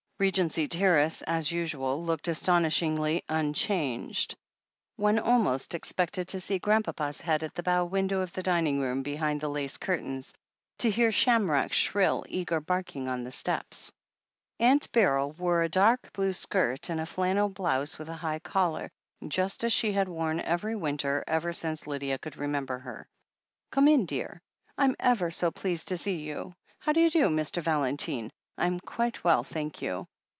Regency Terrace, as usual, looked astonishingly un changed. One almost expected to see Grandpapa's head at the bow window of the dining room behind the lace curtains, to hear Shamrock's shrill, eager barking on the steps. Aimt Beryl wore a dark blue skirt and a flannel blouse with a high collar, just as she had worn every winter ever since Lydia could remember her. "Come in, dear — I'm ever so pleased to see you. How do you do, Mr. Valentine ? I'm quite well, thank you.